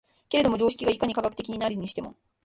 けれども常識がいかに科学的になるにしても、